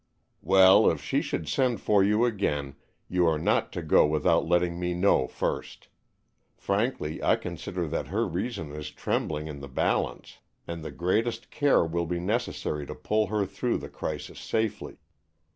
"Well, if she should send for you again, you are not to go without letting me know first. Frankly, I consider that her reason is trembling in the balance, and the greatest care will be necessary to pull her through the crisis safely.